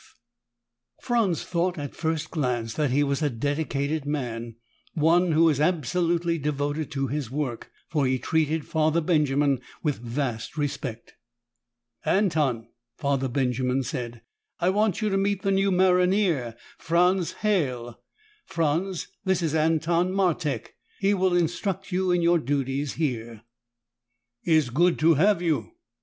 The Hospice must be visible from as great a distance as possible_] Franz thought at first glance that he was a dedicated man, one who is absolutely devoted to his work, for he treated Father Benjamin with vast respect. "Anton," Father Benjamin said, "I want you to meet the new maronnier, Franz Halle. Franz, this is Anton Martek. He will instruct you in your duties here." "Is good to have you."